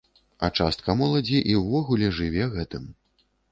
А частка моладзі і ўвогуле жыве гэтым.